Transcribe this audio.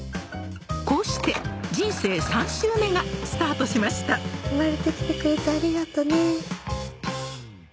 こうして人生３周目がスタートしました生まれてきてくれてありがとね。